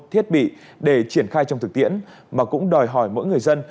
thiết bị để triển khai trong thực tiễn mà cũng đòi hỏi mỗi người dân